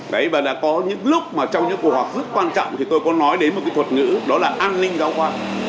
đấy và đã có những lúc mà trong những cuộc họp rất quan trọng thì tôi có nói đến một cái thuật ngữ đó là an ninh giáo khoa